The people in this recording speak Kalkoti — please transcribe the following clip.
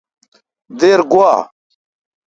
دیر گوا۔